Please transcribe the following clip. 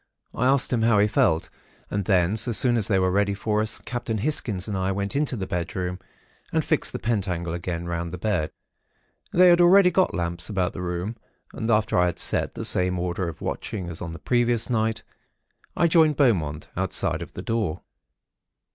I asked him how he felt; and then, so soon as they were ready for us, Captain Hisgins and I went into the bedroom and fixed the pentacle again round the bed. They had already got lamps about the room; and after I had set the same order of watching, as on the previous night, I joined Beaumont, outside of the door.